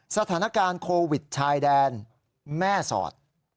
สถานการณ์โควิดชายแดนแม่สอด